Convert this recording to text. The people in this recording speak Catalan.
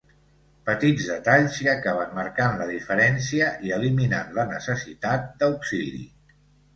Petits detalls que acaben marcant la diferència i eliminant la necessitat d'auxili.